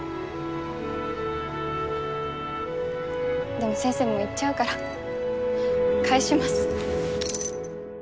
でも先生もう行っちゃうから返します。